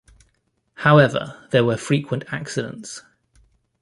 However, there were frequent accidents.